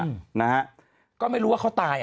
อื้อนะฮะก็ไม่รู้ว่าเขาตาย